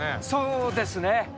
そうですね。